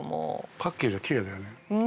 パッケージがきれいだよね。